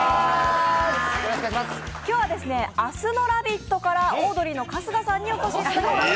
今日は明日の「ラヴィット！」からオードリーの春日さんにお越しいただきました。